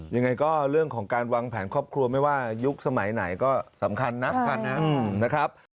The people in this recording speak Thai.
ยังไงก็เรื่องของการวางแผนครอบครัวไม่ว่ายุคสมัยไหนก็สำคัญนับกันนะครับ